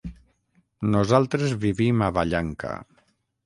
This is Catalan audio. Nosaltres vivim a Vallanca.